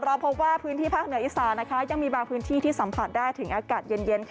เราพบว่าพื้นที่ภาคเหนืออีสานยังมีบางพื้นที่ที่สัมผัสได้ถึงอากาศเย็น